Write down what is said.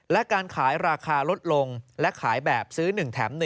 และการขายราคาลดลงและขายแบบซื้อ๑แถม๑